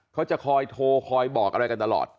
เขาจะคอยโทรคอยบอกอะไรกันตลอด